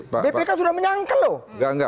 bpk sudah menyangkal loh